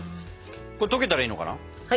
これ溶けたらいいのかな。